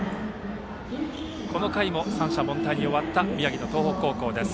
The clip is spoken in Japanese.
この回も三者凡退に終わった宮城の東北高校です。